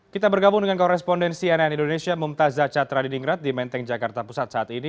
kita bergabung dengan korespondensi nn indonesia mumtazah catra di ningrat di menteng jakarta pusat saat ini